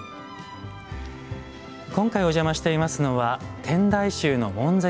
今回お邪魔していますのは天台宗の門跡寺院。